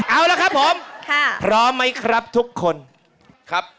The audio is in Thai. เอาละครับผมพร้อมไหมครับทุกคนครับ